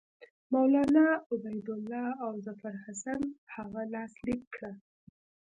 مولنا عبیدالله او ظفرحسن هغه لاسلیک کړه.